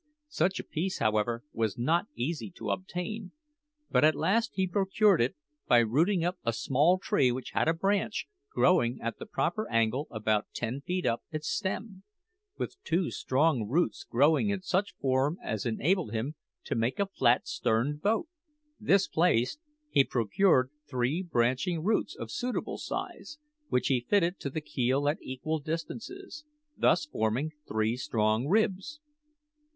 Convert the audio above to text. Such a piece, however, was not easy to obtain; but at last he procured it by rooting up a small tree which had a branch growing at the proper angle about ten feet up its stem, with two strong roots growing in such a form as enabled him to make a flat sterned boat. This placed, he procured three branching roots of suitable size, which he fitted to the keel at equal distances, thus forming three strong ribs.